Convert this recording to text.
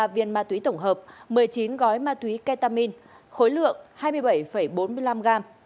ba mươi ba viên ma túy tổng hợp một mươi chín gói ma túy ketamin khối lượng hai mươi bảy bốn mươi năm gam